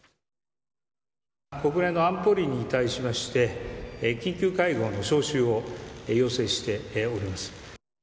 国連の安保理に対しまして、緊急会合の招集を要請しております。